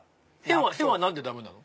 「へ」は何でダメなの？